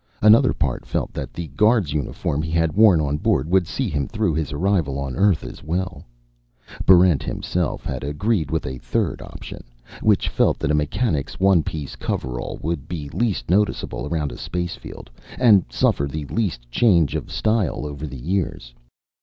Another part felt that the guard's uniform he had worn on board would see him through his arrival on Earth as well. Barrent himself had agreed with a third opinion, which felt that a mechanic's one piece coverall would be least noticeable around a spacefield, and suffer the least change of style over the years.